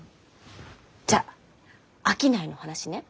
じゃあ商いの話ね。